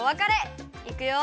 いくよ！